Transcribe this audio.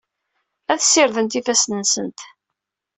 Ad ssirdent ifassen-nsent.